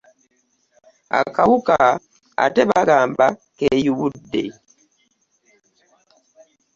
Akawuka ate bagamba keeyubudde.